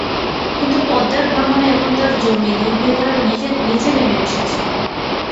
কিন্তু পদ্মার ভাঙনে এখন তাঁর জমি দুই বিঘার নিচে নেমে এসেছে।